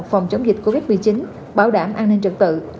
phòng chống dịch covid một mươi chín bảo đảm an ninh trật tự